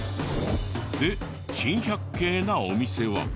で珍百景なお店は。